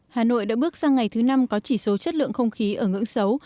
hà nội đã bước sang ngày thứ năm có chỉ số chất lượng không khí ở ngưỡng xấu